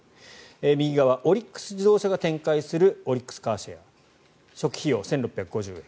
右側オリックス自動車が展開するオリックスカーシェア初期費用１６５０円